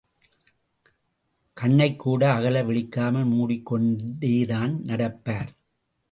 கண்ணைக்கூட அகல விழிக்காமல் மூடிக் கொண்டேதான் நடப்பார்.